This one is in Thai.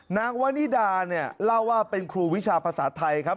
นางวันนิดาเนี่ยเล่าว่าเป็นครูวิชาภาษาไทยครับ